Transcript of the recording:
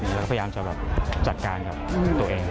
แล้วก็พยายามจะแบบจัดการกับตัวเอง